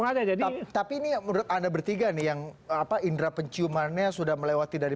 aja jadi tapi ini yang menurut anda bertiga nih yang apa indra penciumannya sudah melewati dari